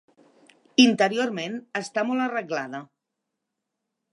Interiorment està molt arreglada.